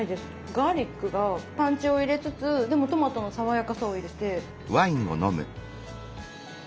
ガーリックがパンチを入れつつでもトマトの爽やかさを入れて。